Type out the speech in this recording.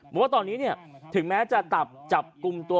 บอกว่าตอนนี้ถึงแม้จะจับกลุ่มตัว